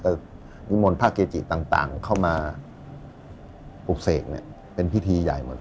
ก็นิมนต์พระเกจิต่างเข้ามาปลูกเสกเนี่ยเป็นพิธีใหญ่หมด